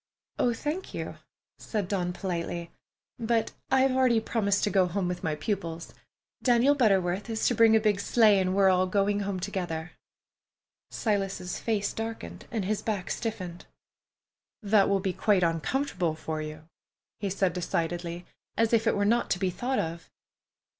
"Oh, thank you," said Dawn politely, "but I've already promised to go with my pupils. Daniel Butterworth is to bring a big sleigh, and we are all going home together." Silas's face darkened and his back stiffened. "That will be quite uncomfortable for you," he said decidedly, as if it were not to be thought of.